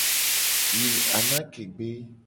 Yi anake gbe.